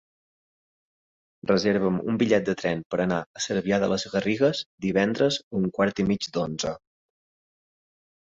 Reserva'm un bitllet de tren per anar a Cervià de les Garrigues divendres a un quart i mig d'onze.